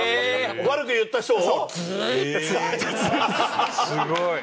悪く言った人を？